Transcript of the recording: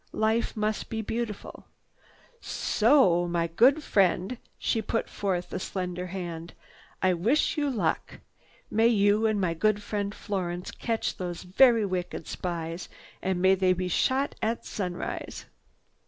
Life must be beautiful. So—o, my good friend—" She put forth a slender hand—"I wish you luck! May you and my good friend Florence catch those so very wicked spies and may they be shot at sunrise!